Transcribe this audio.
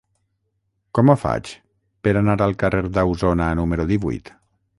Com ho faig per anar al carrer d'Ausona número divuit?